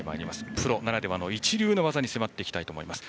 プロならではの一流の技に迫っていきたいと思います。